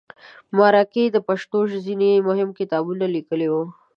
مرکې د پښتو ځینې مهم کتابونه لیکلي وو.